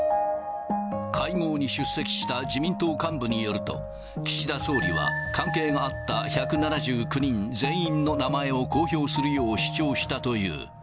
会合に出席した自民党幹部によると、岸田総理は、関係があった１７９人全員の名前を公表するよう主張したという。